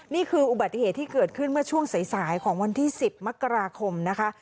นี่คืออุบัติเหตุที่เกิดขึ้นเมื่อช่วงสายของวันที่๑๐มกราคมนะคะ